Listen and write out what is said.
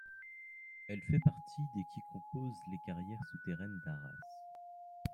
Elle fait partie des qui composent les carrières souterraines d'Arras.